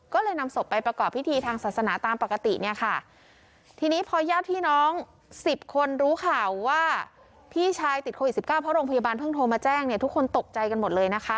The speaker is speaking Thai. การเพิ่งโทรมาแจ้งทุกคนตกใจกันหมดเลยนะคะ